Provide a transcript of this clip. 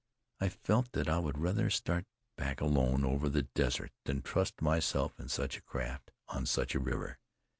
I felt that I would rather start back alone over the desert than trust myself in such a craft, on such a river.